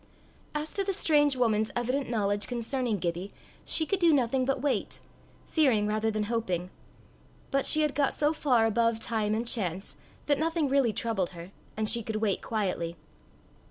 As to the strange woman's evident knowledge concerning Gibbie, she could do nothing but wait fearing rather than hoping; but she had got so far above time and chance, that nothing really troubled her, and she could wait quietly.